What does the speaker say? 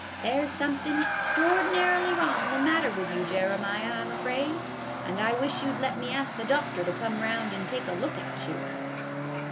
There 's somethin' extraordinarily wrong the matter with you, Jeremiah, I 'm afraid, and I wish you 'd let me ask the doctor to come 'round and take a look at you."